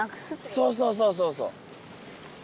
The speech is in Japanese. そうそうそうそうそう。